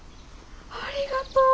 ありがとう！